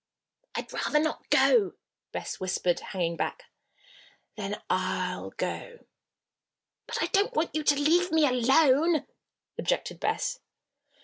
"I'd rather not go," Bess whispered, hanging back. "Then I'll go." "But I don't want you to leave me alone," objected Bess.